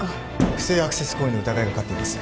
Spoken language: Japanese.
不正アクセス行為の疑いがかかっています